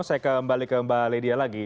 saya kembali ke bang ledia lagi